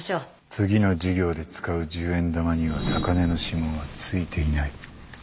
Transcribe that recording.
次の授業で使う十円玉には坂根の指紋はついていない